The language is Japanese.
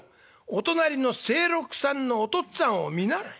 お隣の清六さんのお父っつぁんを見習え。